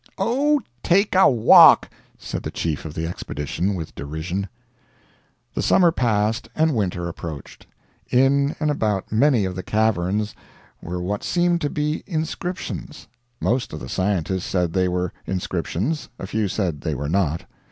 "Oh, take a walk!" said the chief of the expedition, with derision. The summer passed, and winter approached. In and about many of the caverns were what seemed to be inscriptions. Most of the scientists said they were inscriptions, a few said they were not.